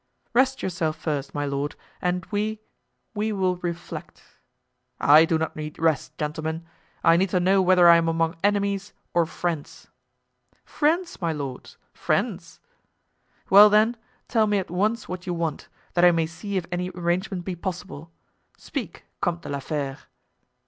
"Rest yourself first, my lord, and we—we will reflect." "I do not need rest, gentlemen; I need to know whether I am among enemies or friends." "Friends, my lord! friends!" "Well, then, tell me at once what you want, that I may see if any arrangement be possible. Speak, Comte de la Fere!"